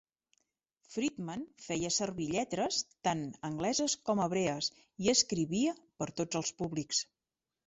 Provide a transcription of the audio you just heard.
Friedman feia servir lletres tant angleses com hebrees i escrivia per tots els públics.